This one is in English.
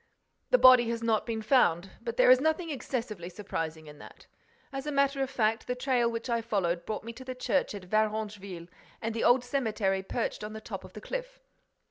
"The body has not been found, but there is nothing excessively surprising in that. As a matter of fact, the trail which I followed brought me to the church at Varengeville and the old cemetery perched on the top of the cliff.